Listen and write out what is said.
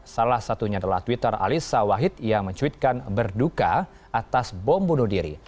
salah satunya adalah twitter alisa wahid yang mencuitkan berduka atas bom bunuh diri